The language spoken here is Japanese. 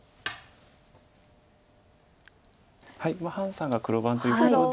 潘さんが黒番ということで。